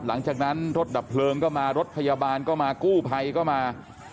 หลังจากนั้นรถดับเพลิงก็มารถพยาบาลก็มากู้ภัยก็มา